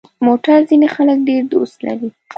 موټر ځینې خلک ډېر دوست لري.